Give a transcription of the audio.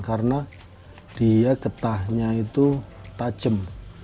karena dia ketahnya itu tajam